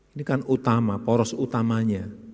ini kan utama poros utamanya